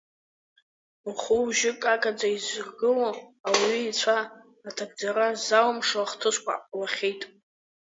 Ухәы-ужьы қақаӡа изыргыло, ауаҩы ицәа аҭагӡара ззалымшо ахҭысқәа ҟалахьеит.